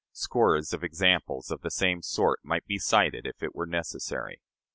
Scores of examples of the same sort might be cited if it were necessary.